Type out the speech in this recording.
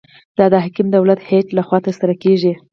دا د حاکم دولتي هیئت لخوا ترسره کیږي.